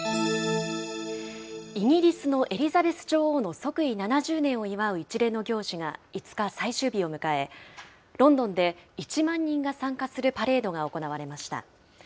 イギリスのエリザベス女王の即位７０年を祝う一連の行事が５日、最終日を迎え、ロンドンで１万人が参加するパレードが行われました。